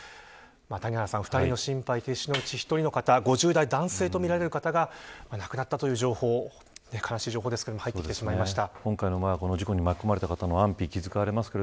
谷原さん、２人の心肺停止のうち１人の方５０代男性とみられる方が亡くなったという情報悲しい情報ですけれども入ってきてしまいました。